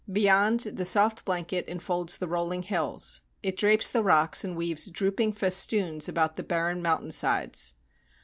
Beyond, the soft blanket enfolds the rolling hills. It drapes the rocks and weaves drooping festoons about the barren mountain sides.